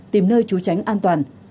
tìm nơi trú tránh an toàn